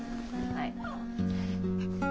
はい。